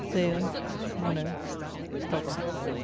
THEO, MONO, DOXA.